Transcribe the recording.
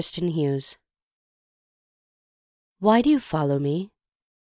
Daphne WHY do you follow me?